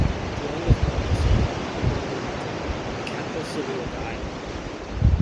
Dwayne was born in San Juan, Puerto Rico the capital city of the island.